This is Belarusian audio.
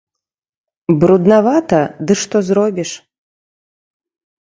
Бруднавата, ды што зробіш?